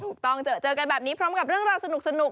ถูกต้องเจอเจอกันแบบนี้พร้อมกับเรื่องราวสนุก